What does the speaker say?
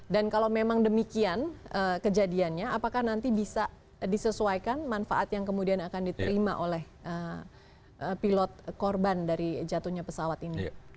dan kalau memang demikian kejadiannya apakah nanti bisa disesuaikan manfaat yang kemudian akan diterima oleh pilot korban dari jatuhnya pesawat ini